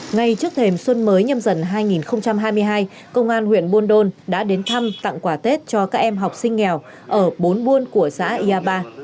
ngay trước thềm xuân mới nhâm dần hai nghìn hai mươi hai công an huyện buôn đôn đã đến thăm tặng quà tết cho các em học sinh nghèo ở bốn buôn của xã iapa